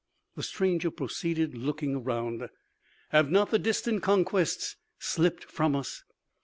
the stranger proceeded looking around. "Have not the distant conquests slipped from us?